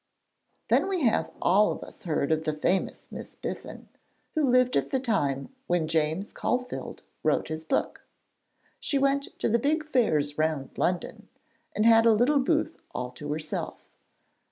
Then we have all of us heard of the famous Miss Biffin, who lived at the time when James Caulfield wrote his book. She went to the big fairs round London, and had a little booth all to herself.